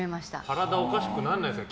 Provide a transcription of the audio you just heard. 体おかしくならないですか？